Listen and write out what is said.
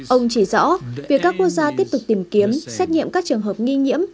ông chỉ rõ việc các quốc gia tiếp tục tìm kiếm xét nghiệm các trường hợp nghi nhiễm